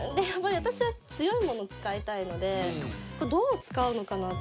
私は強いものを使いたいのでどう使うのかなって。